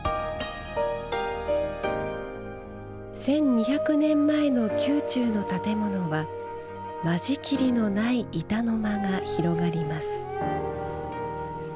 １，２００年前の宮中の建物は間仕切りのない板の間が広がります。